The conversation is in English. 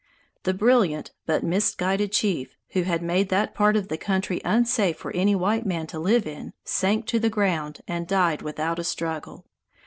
The brilliant but misguided chief, who had made that part of the country unsafe for any white man to live in, sank to the ground and died without a struggle.